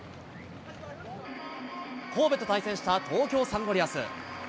神戸と対戦した東京サンゴリアス。